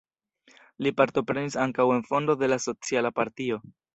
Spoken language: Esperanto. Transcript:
Li partoprenis ankaŭ en fondo de la socialista partio.